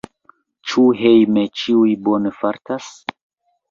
Ĉu hejme ĉiuj bone fartas?